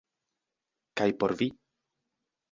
Kaj por vi?